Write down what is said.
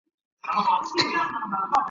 掌握指令流水线原理